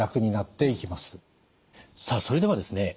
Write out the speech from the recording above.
さあそれではですね